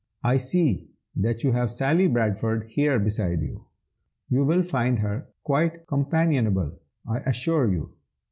I see that you have Sally Bradford here beside you. You will find her quite companionable, I assure you."